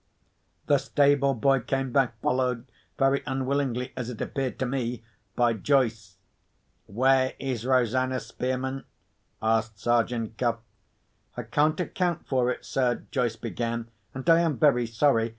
The stable boy came back, followed—very unwillingly, as it appeared to me—by Joyce. "Where is Rosanna Spearman?" asked Sergeant Cuff. "I can't account for it, sir," Joyce began; "and I am very sorry.